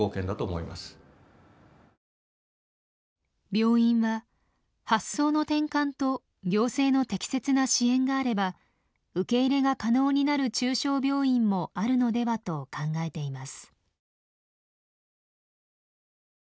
病院は発想の転換と行政の適切な支援があれば受け入れが可能になる中小病院もあるのではと考えています。